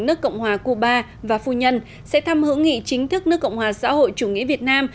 nước cộng hòa cuba và phu nhân sẽ thăm hữu nghị chính thức nước cộng hòa xã hội chủ nghĩa việt nam